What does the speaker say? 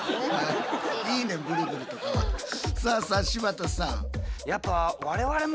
さあさあ柴田さん。